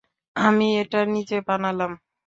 আমি এটা নিজে বানালাম।